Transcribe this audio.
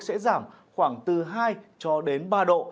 sẽ giảm khoảng từ hai ba độ